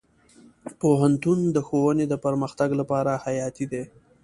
پوهنتون د ښوونې د پرمختګ لپاره حیاتي دی.